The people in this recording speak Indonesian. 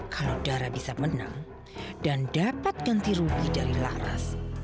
kalau darah bisa menang dan dapat ganti rugi dari laras